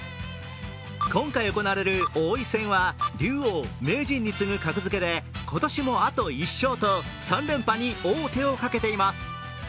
今回行われる王位戦は竜王、名人に次ぐもので今年もあと１勝と３連覇に王手をかけています。